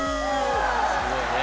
すごいね。